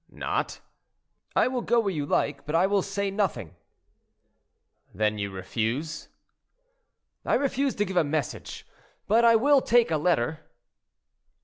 "Not?" "I will go where you like, but I will say nothing." "Then you refuse?" "I refuse to give a message, but I will take a letter."